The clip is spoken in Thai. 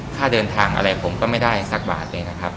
ค่าเดินทางอะไรผมก็ไม่ได้สักบาทเลยนะครับ